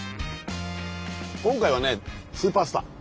今回はねスーパースター。